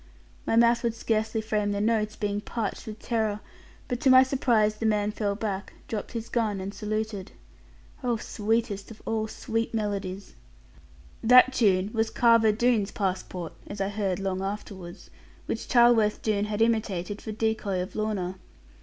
My mouth would scarcely frame the notes, being parched with terror; but to my surprise, the man fell back, dropped his gun, and saluted. Oh, sweetest of all sweet melodies! That tune was Carver Doone's passport (as I heard long afterwards), which Charleworth Doone had imitated, for decoy of Lorna.